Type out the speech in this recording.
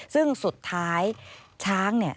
ซึ่งสุดท้ายช้างเนี่ย